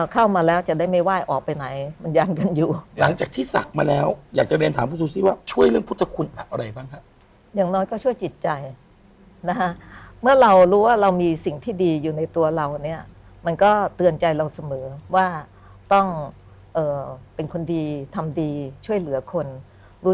เข้ามาแล้วจะได้ไม่ไหว้ออกไปไหนมันย้านกันอยู่